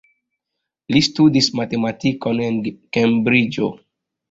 Li studis matematikon en Kembriĝo.